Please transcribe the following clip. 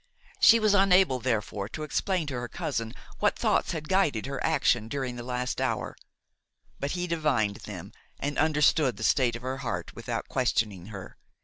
She was unable therefore to explain to her cousin what thoughts had guided her action during the last hour; but he divined them and understood the state of her heart without questioning her.